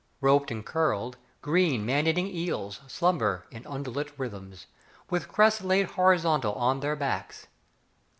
Roped and curled, Green man eating eels Slumber in undulate rhythms, With crests laid horizontal on their backs.